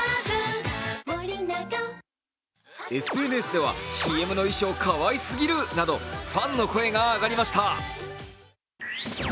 ＳＮＳではＣＭの衣装かわいすぎるなどファンの声が上がりました。